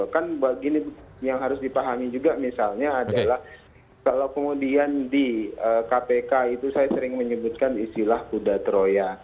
kan begini yang harus dipahami juga misalnya adalah kalau kemudian di kpk itu saya sering menyebutkan istilah kuda troya